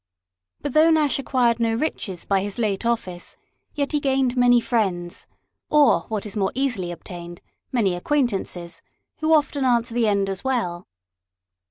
But though Nash acquired no riches by his late office, yet he gained many friends, or what is more easily obtained, many acquaintances, who often answer the end as well.